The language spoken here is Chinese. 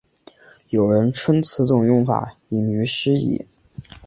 有人称此种用法引喻失义。